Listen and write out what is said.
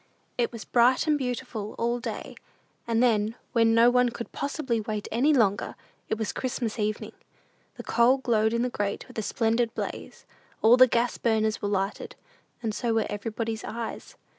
It was bright and beautiful all day, and then, when no one could possibly wait any longer, it was Christmas evening. The coal glowed in the grate with a splendid blaze: all the gas burners were lighted, and so were everybody's eyes.